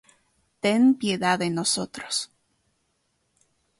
ten piedad de nosotros.